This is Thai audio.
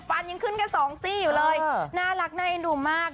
ฟันยังขึ้นกับ๒ซี่อยู่เลยน่ารักในดูมาก